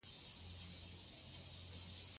ازادي راډیو د د ځنګلونو پرېکول حالت ته رسېدلي پام کړی.